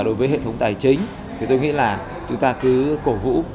đối với hệ thống tài chính thì tôi nghĩ là chúng ta cứ cổ vũ